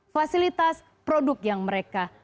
fasilitas produk yang mereka